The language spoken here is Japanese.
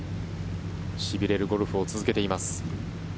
しびれるゴルフを続けています。